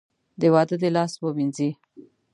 د واده دې لاس ووېنځي .